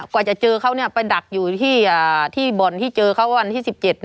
กว่าจะเจอเขาไปดักอยู่ที่บ่อนที่เจอเขาวันที่๑๗